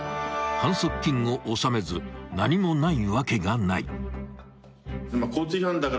［反則金を納めず何もないわけがない］